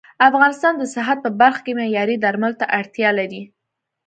افغانستان د صحت په برخه کې معياري درملو ته اړتيا لري